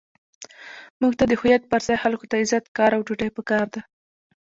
موږ ته د هویت پر ځای خلکو ته عزت، کار، او ډوډۍ پکار ده.